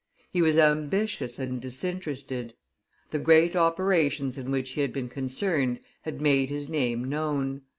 He was ambitious and disinterested. The great operations in which he had been concerned had made his name known.